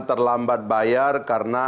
terlambat bayar karena